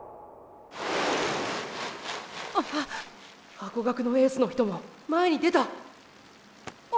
ハコガクのエースの人も前に出たあ！